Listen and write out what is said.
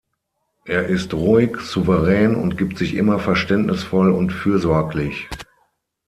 Er ist ruhig, souverän und gibt sich immer verständnisvoll und fürsorglich.